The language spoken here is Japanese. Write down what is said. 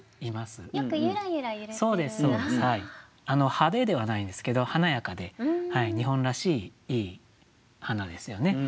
派手ではないんですけど華やかで日本らしいいい花ですよね。